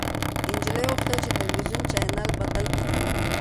نجلۍ غوښتل چې د تلويزيون چاینل بدل کړي.